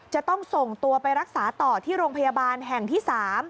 จะต้องส่งตัวไปรักษาต่อที่โรงพยาบาลแห่งที่๓